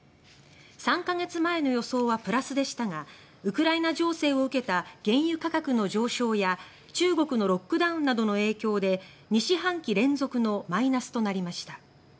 ３か月前の予想はプラスでしたがウクライナ情勢を受けた原油価格の上昇や中国のロックダウンなどの影響で２四半期連続のマイナスとなりました。